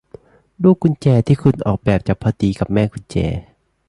ลูกกุญแจที่คุณออกแบบจะพอดีกับแม่กุญแจ